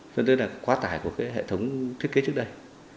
do vậy là quá tải của cái hệ thống thiết kế trước đây